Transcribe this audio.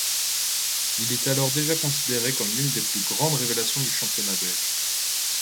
Il est alors déjà considéré comme l'une des plus grandes révélations du championnat belge.